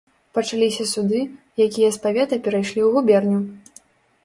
Пачаліся суды, якія з павета перайшлі ў губерню.